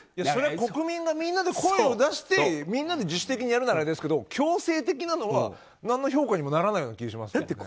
それは国民がみんなで声を出してみんなで自主的にやるならあれですけど強制的なのは何の評価にもならない気がしますけど。